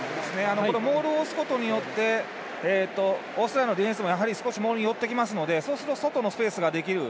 モールを押すことによってオーストラリアのディフェンスも少しモールに寄ってきますのでそうすると外のスペースができる。